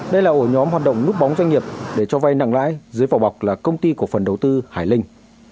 đây là ổ nhóm hoạt động núp bóng doanh nghiệp để cho vay nặng lãi dưới vỏ bọc là công ty cổ phần đầu tư hải linh